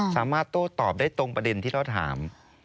สามารถโต้ตอบได้ตรงประเด็นที่เขาถาม